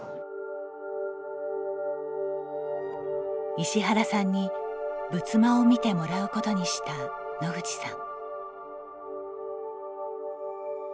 石原さんに、仏間を見てもらうことにした野口さん。